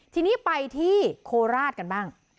ทีนี้ไปที่โคราชกันบ้าง